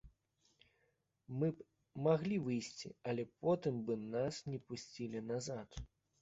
Мы б маглі выйсці, але потым бы нас не пусцілі назад.